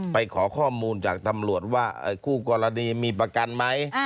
ขอข้อมูลจากตำรวจว่าคู่กรณีมีประกันไหม